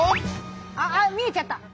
あっ見えちゃった！